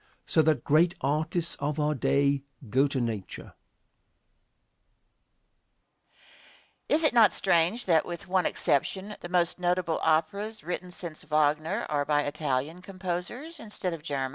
So that great artists of our day go to nature. Question. Is it not strange that, with one exception, the most notable operas written since Wagner are by Italian composers instead of German?